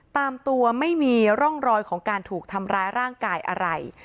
ตามตัวไม่มีร่องรอยของการถูกทำร้ายร่างกายอะไร